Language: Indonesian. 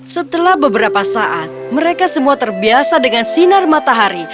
setelah beberapa saat mereka semua terbiasa dengan sinar matahari